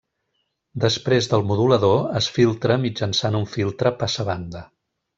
Després del modulador es filtra mitjançant un filtre passabanda.